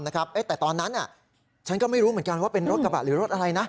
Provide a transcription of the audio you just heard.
แต่ตอนนั้นฉันก็ไม่รู้เหมือนกันว่าเป็นรถกระบะหรือรถอะไรนะ